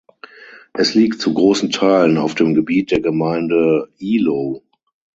Es liegt zu großen Teilen auf dem Gebiet der Gemeinde Ihlow.